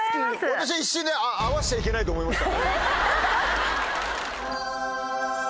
私は一瞬で会わせちゃいけないと思いました。